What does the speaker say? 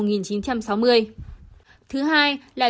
thứ hai là chữa